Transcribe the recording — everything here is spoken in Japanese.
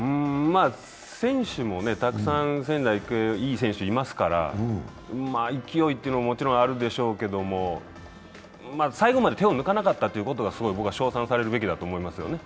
選手もたくさん仙台育英、いい選手がいますから勢いというのももちろんあるでしょうけれども、最後まで手を抜かなかったということは称賛されるべきだったと思いますね。